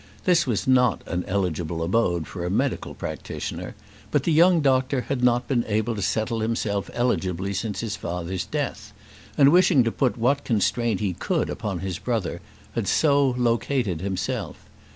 This was not an eligible abode for a medical practitioner; but the young doctor had not been able to settle himself eligibly since his father's death; and wishing to put what constraint he could upon his brother, had so located himself.